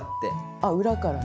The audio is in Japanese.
ああ裏からね。